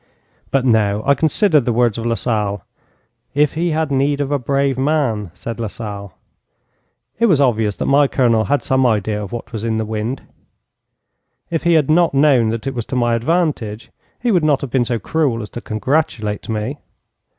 But, no! I considered the words of Lasalle. 'If he had need of a brave man,' said Lasalle. It was obvious that my Colonel had some idea of what was in the wind. If he had not known that it was to my advantage, he would not have been so cruel as to congratulate me.